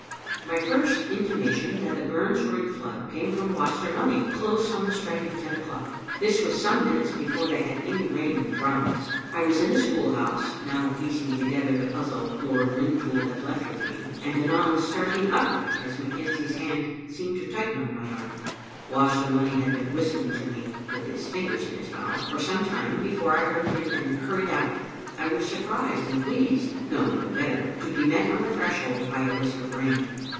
My first intimation that the burns were in flood came from Waster Lunny, close on the strike of ten o'clock. This was some minutes before they had any rain in Thrums. I was in the school house, now piecing to gether the puzzle Lord Rintoul had left with me, and anon starting upright as McKenzie's hand seemed to tighten on my arm. Waster Lunny had been whistling to me (with his fingers in his mouth) for some time be fore I heard him and hurried out. I was surprised and pleased, knowing no better, to be met on the threshold by a whisk of rain.